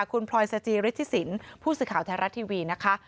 คุณพรอยซาจีริฐศิสินผู้สิทธิ์ข่าวแทนรัฐทีวีนะคะ